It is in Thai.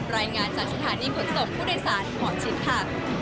รายงานจากสถานีผลศพผู้โดยศาสตร์หมอชิคค่ะ